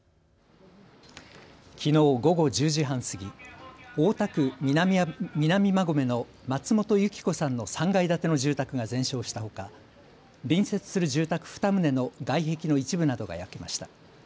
きのう午後１０時半過ぎ、大田区南馬込の松本由伎子さんの３階建ての住宅が全焼したほか隣接する住宅２棟の外壁の一部などが焼けました。